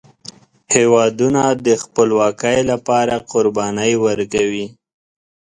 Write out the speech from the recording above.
هیوادونه د خپلواکۍ لپاره قربانۍ ورکوي.